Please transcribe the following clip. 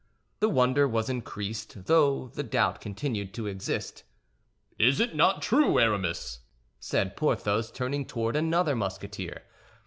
The wonder was increased, though the doubt continued to exist. "Is it not true, Aramis?" said Porthos, turning toward another Musketeer.